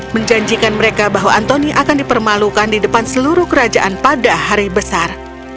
menjanjikan mereka bahwa antoni akan dipermalukan di depan seluruh kerajaan pada hari besar